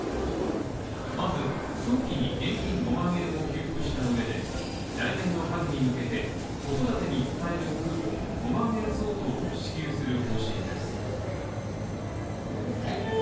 まず、早期に現金５万円を給付した上で、来年の春に向けて子育てに使えるクーポン５万円相当を支給する方針です。